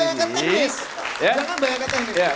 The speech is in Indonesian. jangan bayangkan teknis